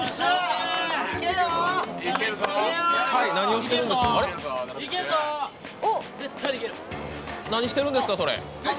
何をしてるんです？